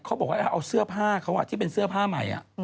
เขาบอกว่าเอาเสื้อผ้าเขาที่เป็นเสื้อผ้าใหม่